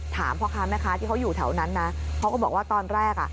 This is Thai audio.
ถามครอบคราวแม่ค้าที่เขาอยู่แถวนั้นข้าก็บอกว่าตอนแรก